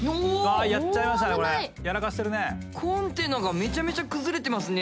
あやっちゃいましたねこれ。